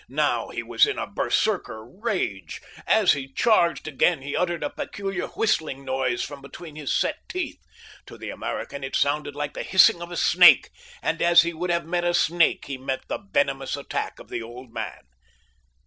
Now he was in a berserker rage. As he charged again he uttered a peculiar whistling noise from between his set teeth. To the American it sounded like the hissing of a snake, and as he would have met a snake he met the venomous attack of the old man.